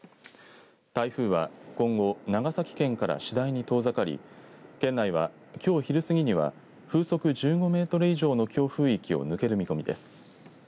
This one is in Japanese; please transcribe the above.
台風は今後長崎県から次第に遠ざかり県内は、きょう昼過ぎには風速１５メートル以上の強風域を抜ける見込みです。